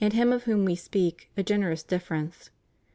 him of whom We speak, a generous difference.